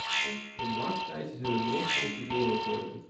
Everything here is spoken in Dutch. De marktprijzen zullen meer concurrerend worden.